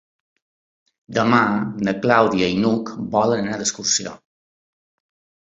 Demà na Clàudia i n'Hug volen anar d'excursió.